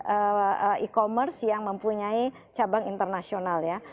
e commerce yang mempunyai cabang internasional ya